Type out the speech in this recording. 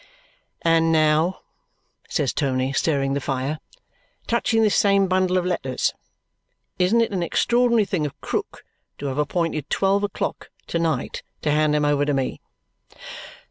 "And now," says Tony, stirring the fire, "touching this same bundle of letters. Isn't it an extraordinary thing of Krook to have appointed twelve o'clock to night to hand 'em over to me?"